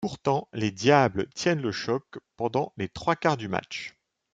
Pourtant, les Diables tiennent le choc pendant les trois quarts du match.